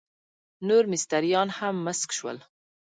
نور مستریان هم مسک شول.